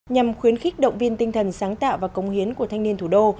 nhằm khuyến khích động viên tinh thần sáng tạo và công hiến của thanh niên thủ đô